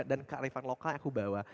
dan kearifan lokal yang aku bawa